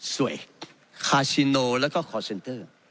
คาชิโนแล้วก็คอร์เซ็นเตอร์